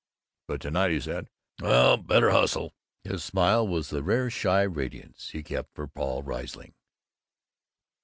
but to night he said, "Well, better hustle," and his smile was the rare shy radiance he kept for Paul Riesling.